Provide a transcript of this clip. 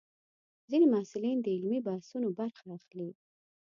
ځینې محصلین د علمي بحثونو برخه اخلي.